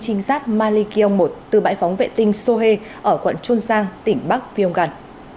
trinh sát malikion một từ bãi phóng vệ tinh sohe ở quận chon sang tỉnh bắc viêng gàn